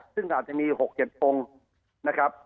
ซึ่งอาจจะมี๖๗องค์นะครับ